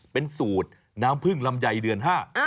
เป็นสูตรน้ำผึ้งลำไยเดือน๕